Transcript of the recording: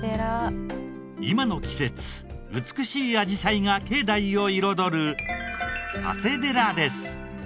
今の季節美しいあじさいが境内を彩る長谷寺です。